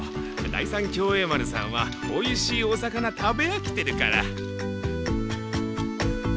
第三協栄丸さんはおいしいお魚食べあきてるから。